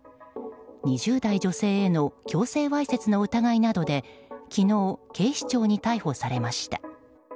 ２０代女性への強制わいせつの疑いなどで昨日、警視庁に逮捕されました。